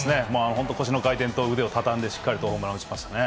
本当、腰の回転と腕を畳んで、しっかりとホームラン打ちましたね。